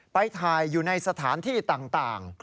ไปถ่ายอยู่ในสถานที่ต่าง